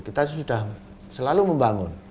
kita sudah selalu membangun